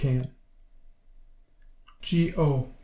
Can. G.O.